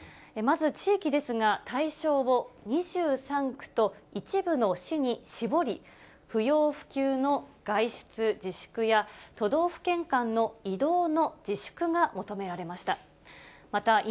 まず、地域ですが、対象を２３区と一部の市に絞り、不要不急の外出自粛や、都道府県間の移動の自粛が求められました。